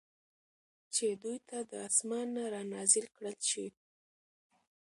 چې دوی ته د آسمان نه را نازل کړل شي